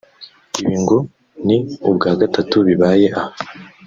Ibi ngo ni ubwa gatatu bibaye aha